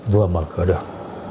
vừa mở cửa được